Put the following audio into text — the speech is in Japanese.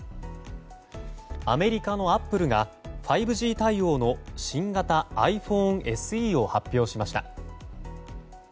アメリカのアップルが５Ｇ対応の新型ｉＰｈｏｎｅＳＥを発表しました。